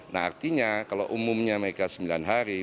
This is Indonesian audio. nah artinya kalau umumnya mereka sembilan hari